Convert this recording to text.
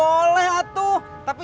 oh udah hiata kami